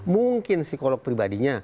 mungkin psikolog pribadinya